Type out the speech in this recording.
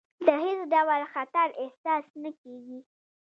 د هېڅ ډول خطر احساس نه کېږي.